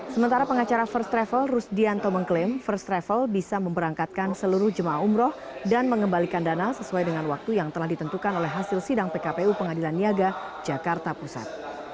sementara pengacara first travel rusdianto mengklaim first travel bisa memberangkatkan seluruh jemaah umroh dan mengembalikan dana sesuai dengan waktu yang telah ditentukan oleh hasil sidang pkpu pengadilan niaga jakarta pusat